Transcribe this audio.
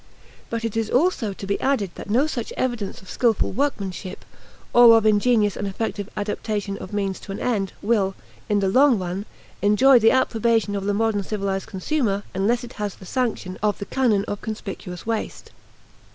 But it is also to be added that no such evidence of skillful workmanship, or of ingenious and effective adaptation of means to an end, will, in the long run, enjoy the approbation of the modern civilized consumer unless it has the sanction of the Canon of conspicuous waste.